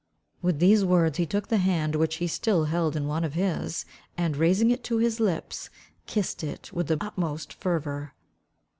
With these words he took the hand which he still held in one of his, and raising it to his lips, kissed it with the utmost fervour.